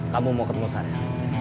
kamu mau ketemu saya